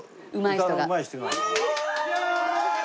歌のうまい人が。